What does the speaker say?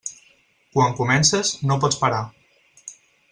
Quan comences, no pots parar.